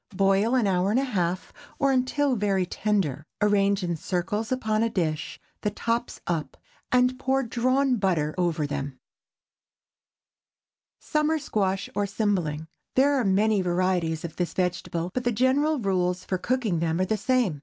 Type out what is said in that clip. Boil an hour and a half, or until very tender. Arrange in circles upon a dish, the tops up, and pour drawn butter over them. SUMMER SQUASH OR CYMBLING. There are many varieties of this vegetable, but the general rules for cooking them are the same.